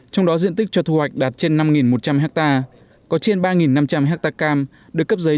trong đó diện tích cho thu hoạch đạt trên năm một trăm linh hectare có trên ba năm trăm linh hectare cam được cấp giấy